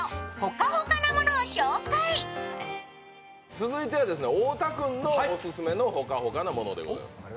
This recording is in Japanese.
続いては太田君のオススメのホカホカなものでございます。